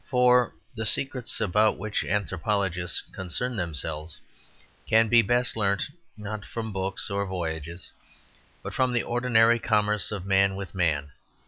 For the secrets about which anthropologists concern themselves can be best learnt, not from books or voyages, but from the ordinary commerce of man with man.